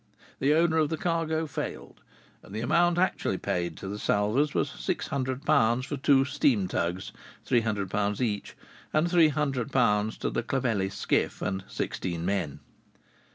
The owner of the cargo failed; and the amount actually paid to the salvors was six hundred pounds to two steam tugs (three hundred pounds each), and three hundred pounds to the Clovelly skiff and sixteen men.